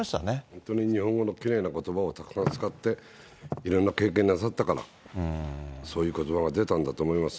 本当に、日本語のきれいなことばをたくさん使って、いろんな経験なさったから、そういうことばが出たんだと思います。